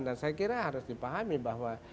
dan saya kira harus dipahami bahwa